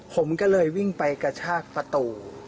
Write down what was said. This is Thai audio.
ผมก็เลยวิ่งไปกระชากประตู